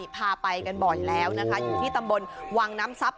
พาไปกันบ่อยแล้วนะคะอยู่ที่ตำบลวังน้ำทรัพย